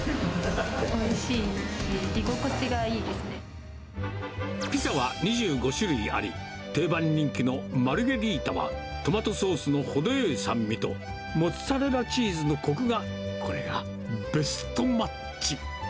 おいしいし、居心地がいいでピザは２５種類あり、定番人気のマルゲリータは、トマトソースの程よい酸味と、モッツァレラチーズのこくが、これがベストマッチ。